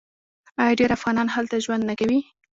آیا ډیر افغانان هلته ژوند نه کوي؟